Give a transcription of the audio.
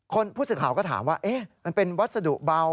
คนผู้สึกฐานก็ถามว่าเอ๊ะมันเป็นวัสดุเบา